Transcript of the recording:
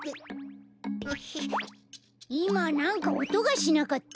いまなんかおとがしなかった？